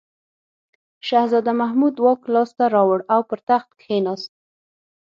شهزاده محمود واک لاس ته راوړ او پر تخت کښېناست.